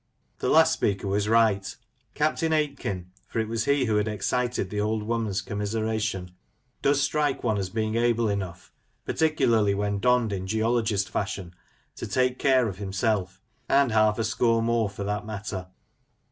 " The last speaker was right Captain Aitken, for it was he who had excited the old woman's commiseration, does strike one as being able enough, particularly when donned in geologist fashion, to take care of himself, and half a score more for that matter.